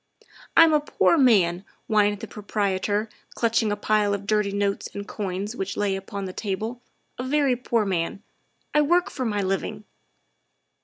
" I'm a poor man," whined the proprietor, clutching a pile of dirty notes and coin which lay upon the table, '' a very poor man. I work for my living.